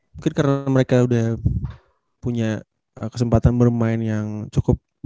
mungkin karena mereka udah punya kesempatan bermain yang cukup